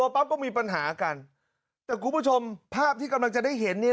ปั๊บก็มีปัญหากันแต่คุณผู้ชมภาพที่กำลังจะได้เห็นเนี่ย